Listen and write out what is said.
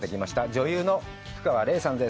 女優の菊川怜さんです。